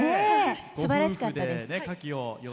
すばらしかったです。